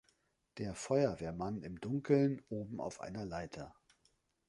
Ein Feuerwehrmann im Dunkeln oben auf einer Leiter.